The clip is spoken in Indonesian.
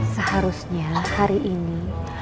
seharusnya hari ini